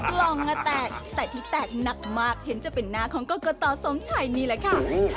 กล่องแตกแต่ที่แตกหนักมากเห็นจะเป็นหน้าของกรกตสมชัยนี่แหละค่ะ